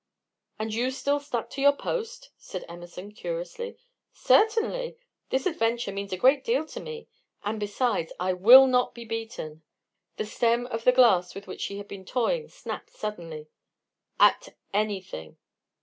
"And you still stuck to your post?" said Emerson, curiously. "Certainly! This adventure means a great deal to me, and, besides, I will not be beaten" the stem of the glass with which she had been toying snapped suddenly "at anything."